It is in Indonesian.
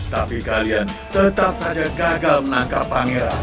tapi kalian tetap saja gagal menangkap pangeran